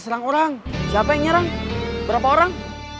siapa yang nyerang berapa orang